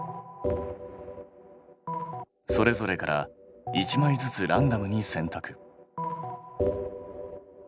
それぞれから１枚ずつランダムに選択。